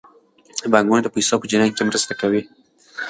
بانکونه د پیسو په جریان کې مرسته کوي.